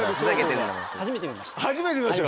初めて見ました。